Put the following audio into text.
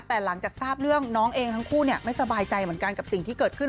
แต่หลังจากทราบเรื่องน้องเองทั้งคู่ไม่สบายใจเหมือนกันกับสิ่งที่เกิดขึ้น